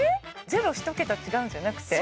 ゼロ１桁違うんじゃなくて？